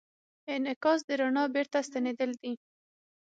انعکاس د رڼا بېرته ستنېدل دي.